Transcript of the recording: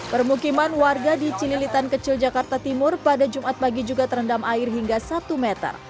permukiman warga di cililitan kecil jakarta timur pada jumat pagi juga terendam air hingga satu meter